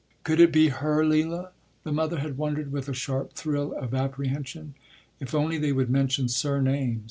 ” Could it be her Leila, the mother had wondered, with a sharp thrill of apprehension? If only they would mention surnames!